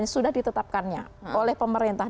sudah ditetapkannya oleh pemerintah